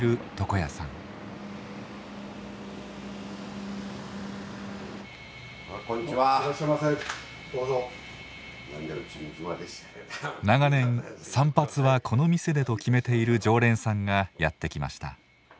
長年「散髪はこの店で」と決めている常連さんがやって来ました。